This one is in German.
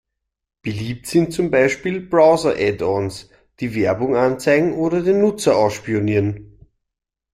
Beliebt sind zum Beispiel Browser-Addons, die Werbung anzeigen oder den Nutzer ausspionieren.